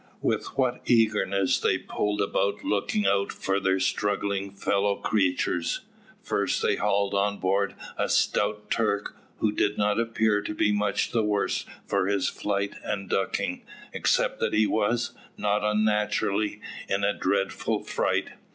With what eagerness they pulled about looking out for their struggling fellow creatures! First they hauled on board a stout Turk, who did not appear to be much the worse for his flight and ducking, except that he was, not unnaturally, in a dreadful fright.